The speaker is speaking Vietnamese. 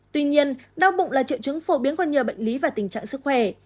tuy nhiên đau bụng là triệu chứng phổ biến của nhiều bệnh lý và tình trạng sức khỏe